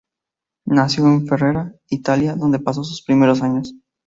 Nació en Ferrara, Italia, donde pasó sus primeros años.